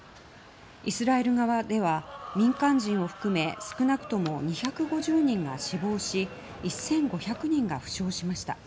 イスラエル側では民間人を含め少なくとも２５０人が死亡し１５００人が負傷しました。